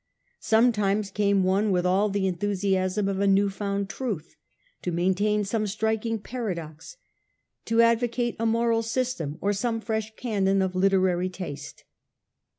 Sometimes came one with all the enthusiasm of a new found truth, to maintain some striking paradox, to advocate a moral system, or some fresh canon of literary taste.